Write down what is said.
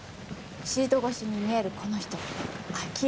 シート越しに見えるこの人明らか外国人だな。